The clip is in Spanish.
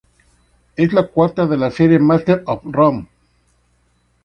Es la cuarta de la serie "Masters of Rome".